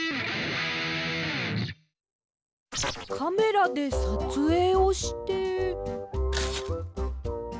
カメラでさつえいをして。